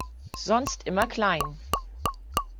Sonst immer klein!